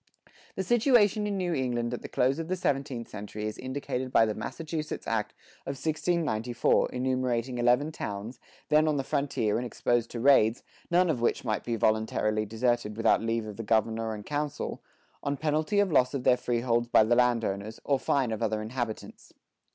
The situation in New England at the close of the seventeenth century is indicated by the Massachusetts act of 1694 enumerating eleven towns, then on the frontier and exposed to raids, none of which might be voluntarily deserted without leave of the governor and council, on penalty of loss of their freeholds by the landowners, or fine of other inhabitants.